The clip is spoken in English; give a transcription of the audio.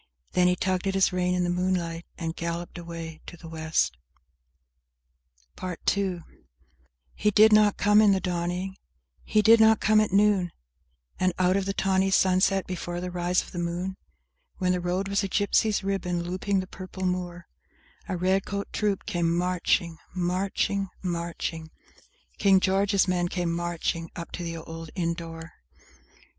Then he tugged at his rein in the moonliglt, and galloped away to the West. PART TWO I He did not come in the dawning; he did not come at noon; And out o' the tawny sunset, before the rise o' the moon, When the road was a gypsy's ribbon, looping the purple moor, A red coat troop came marching— Marching—marching— King George's men came matching, up to the old inn door.